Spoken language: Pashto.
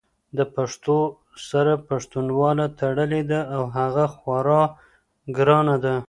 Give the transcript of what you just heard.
د پښتو سره پښتنواله تړلې ده او هغه خورا ګرانه ده!